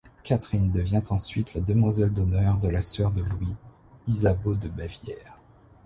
Catherine devient ensuite la demoiselle d'honneur de la sœur de Louis, Isabeau de Bavière.